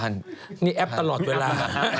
นี่แอปตลอดเวลา